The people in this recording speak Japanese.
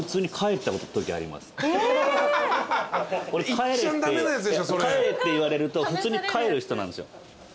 帰れって言われると普通に帰る人なんですよ。